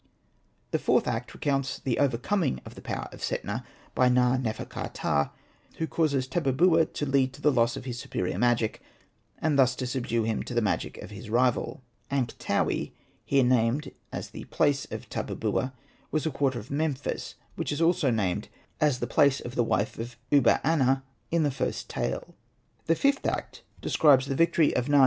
The fourth act recounts the overcoming of the power of Setna by Na.nefer.ka.ptah, who causes Tabubua to lead to the loss of his superior magic, and thus to subdue him to the magic of his rival. Ankhtaui, here named as the place of Tabubua, was a quarter of Memphis, which is also named as the place of the wife of Uba aner in the first tale. The fifth act describes the victory of Na.